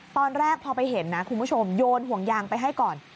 ตอนแรกพอไปเห็นนะคุณผู้ชมโยนห่วงยางไปให้ก่อน